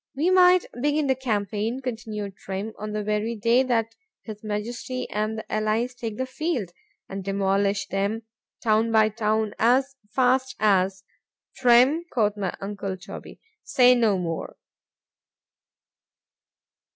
—We might begin the campaign, continued Trim, on the very day that his Majesty and the Allies take the field, and demolish them town by town as fast as—Trim, quoth my uncle Toby, say no more.